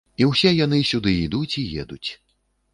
І ўсе яны сюды ідуць і едуць.